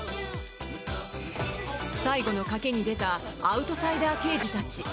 最後の賭けに出たアウトサイダー刑事たち。